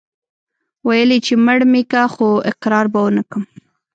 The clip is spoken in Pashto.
ويل يې چې مړ مې که خو اقرار به ونه کم.